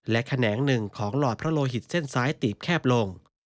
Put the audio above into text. และแขนงหนึ่งของหลอดพระโลหิตเส้นซ้ายตีบแคบลง